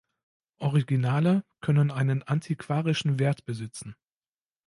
Originale können einen antiquarischen Wert besitzen.